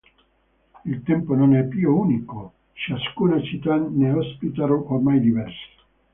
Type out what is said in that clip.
Il tempio non è più unico: ciascuna città ne ospita ormai diversi.